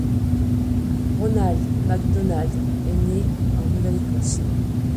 Ronald MacDonald est né le en Nouvelle-Écosse.